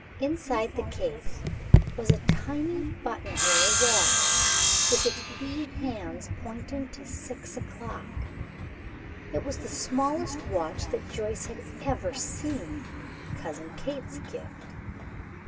Inside the case was a tiny buttonhole watch, with its wee hands pointing to six o'clock. It was the smallest watch that Joyce had ever seen, Cousin Kate's gift.